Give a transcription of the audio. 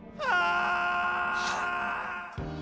ああ！